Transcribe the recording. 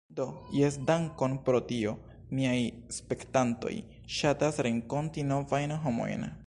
Do, jes dankon pro tio. Miaj spektantoj ŝatas renkonti novajn homojn